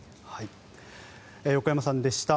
横山さんでした。